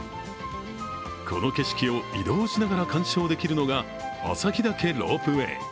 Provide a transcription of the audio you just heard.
この景色を、移動しながら鑑賞できるのが旭岳ロープウェイ。